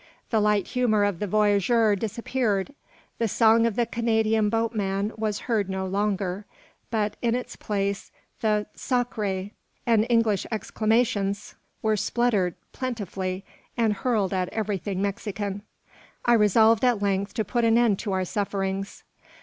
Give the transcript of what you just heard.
The light humour of the voyageur disappeared. The song of the Canadian boatman was heard no longer; but, in its place, the "sacre" and English exclamations were spluttered plentifully, and hurled at everything Mexican. I resolved at length to put an end to our sufferings.